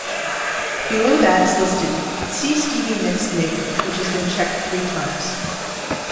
Below that is listed "See Stevie Nicks Naked", which has been checked three times.